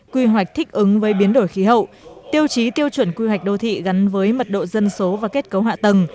quy hoạch thích ứng với biến đổi khí hậu tiêu chí tiêu chuẩn quy hoạch đô thị gắn với mật độ dân số và kết cấu hạ tầng